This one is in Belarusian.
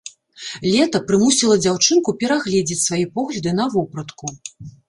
Лета прымусіла дзяўчынку перагледзець свае погляды на вопратку.